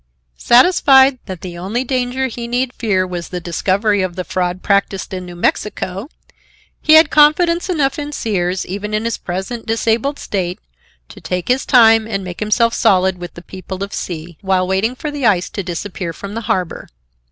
Satisfied that the only danger he need fear was the discovery of the fraud practised in New Mexico, he had confidence enough in Sears, even in his present disabled state, to take his time and make himself solid with the people of C—while waiting for the ice to disappear from the harbor.